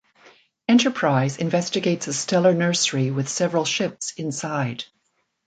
"Enterprise" investigates a stellar nursery with several ships inside.